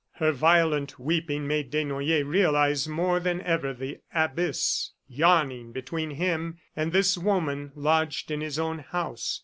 Her violent weeping made Desnoyers realize more than ever the abyss yawning between him and this woman lodged in his own house.